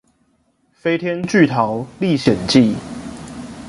飛天巨桃歷險記